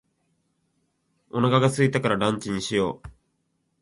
お腹が空いたからランチにしよう。